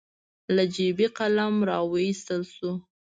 له جېبې قلم راواييستل شو.